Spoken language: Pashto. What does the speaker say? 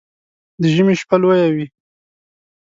د ژمي شپه لويه وي